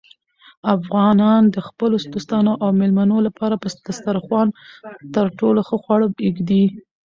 افغانان د خپلو دوستانو او مېلمنو لپاره په دسترخوان تر ټولو ښه خواړه ایږدي.